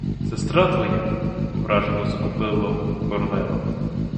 — Сестра твоя... — ображено закопилила губу королева.